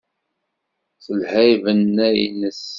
Telha lbenna-nnes.